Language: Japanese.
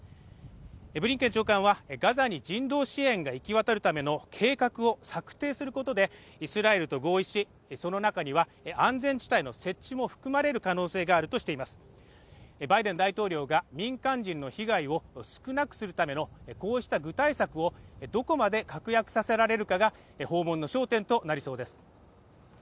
ブリンケン長官はガザに人道支援が行き渡るための計画を策定することでイスラエルと合意しその中には安全地帯の設置も含まれる可能性があるとしていますバイデン大統領が民間人の被害を少なくするためのこうした具体策をどこまで確約させられるかが訪問の焦点となりそうです